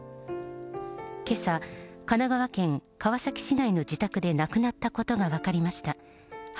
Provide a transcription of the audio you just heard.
けさ、神奈川県川崎市内の自宅で亡くなったことが分かりました。